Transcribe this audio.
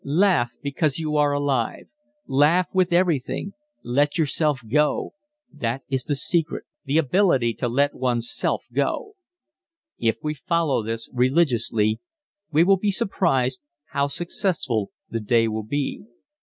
Laugh because you are alive, laugh with everything. Let yourself go. That is the secret the ability to let one's self go! If we follow this religiously we will be surprised how successful the day will be.